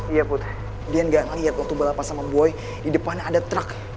iya put deyan gak ngelihat waktu balapan sama boy di depan ada truk